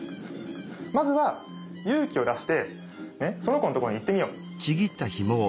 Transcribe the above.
まずは勇気を出してねその子のところに行ってみよう。